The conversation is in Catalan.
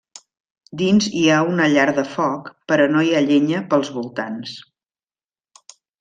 Dins hi ha una llar de foc però no hi ha llenya pels voltants.